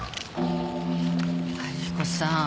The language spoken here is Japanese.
春彦さん。